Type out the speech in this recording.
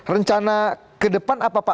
rencana kedepan apa pak tiopan